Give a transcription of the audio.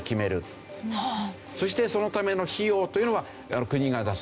そしてそのための費用というのは国が出す。